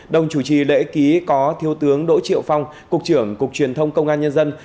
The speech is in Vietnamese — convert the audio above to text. đồng chủ trì lễ ký có thiếu tướng đỗ triệu phong cục trưởng cục truyền thông công an nhân dân